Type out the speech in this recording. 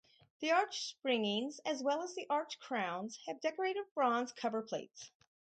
The arch springings, as well as the arch crowns, have decorative bronze cover plates.